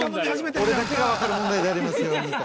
俺だけが分かる問題でありますようにと。